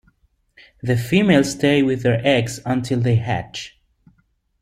The females stay with their eggs until they hatch.